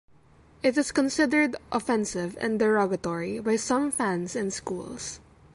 It is considered offensive and derogatory by some fans and schools.